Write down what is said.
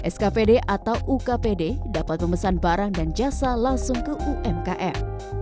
skpd atau ukpd dapat memesan barang dan jasa langsung ke umkm